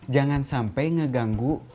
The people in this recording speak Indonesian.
jangan sampai ngeganggu